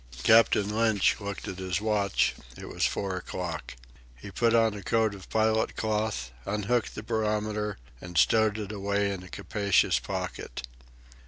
Captain Lynch looked at his watch. It was four o'clock. He put on a coat of pilot cloth, unhooked the barometer, and stowed it away in a capacious pocket.